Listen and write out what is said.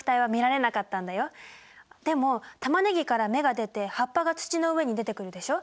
でもタマネギから芽が出て葉っぱが土の上に出てくるでしょ。